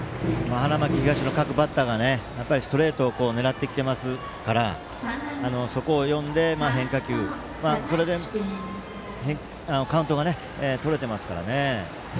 花巻東の各バッターがストレートを狙ってきてますからそこを読んで、変化球それでカウントがとれてますから。